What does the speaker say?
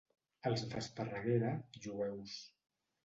Els d'Esparreguera, jueus.